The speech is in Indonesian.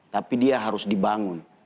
tapi dia harus dibangun